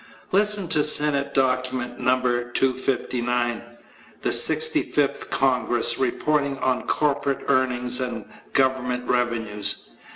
Listen to Senate Document No. 259. The Sixty Fifth Congress, reporting on corporate earnings and government revenues.